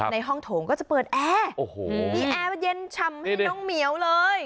ในห้องโถงก็จะเปิดแอร์โอ้โหมีแอร์เย็นฉ่ำให้น้องเหมียวเลย